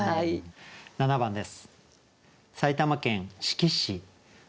７番です。